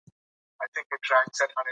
نفت د افغانانو د فرهنګي پیژندنې برخه ده.